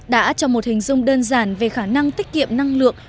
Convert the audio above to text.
đã cho một hình dung đơn giản về khả năng tiết kiệm năng lượng